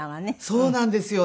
そうなんですよ。